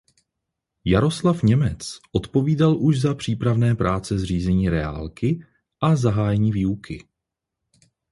Jaroslav Němec odpovídal už za přípravné práce zřízení reálky a zahájení výuky.